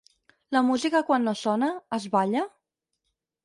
La música quan no sona, es balla?